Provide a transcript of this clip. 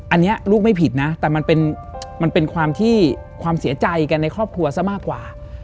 อันนี้ลูกไม่ผิดนะแต่มันเป็นความที่ความเสียใจกันในครอบครัวซะมากกว่า